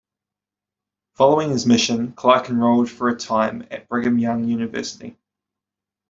Following his mission, Clark enrolled for a time at Brigham Young University.